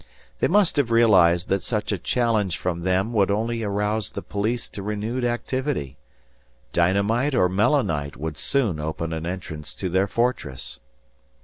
They must have realized that such a challenge from them would only arouse the police to renewed activity. Dynamite or melinite would soon open an entrance to their fortress.